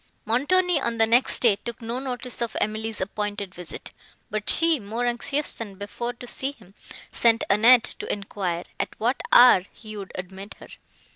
Montoni, on the next day, took no notice of Emily's appointed visit, but she, more anxious than before to see him, sent Annette to enquire, at what hour he would admit her.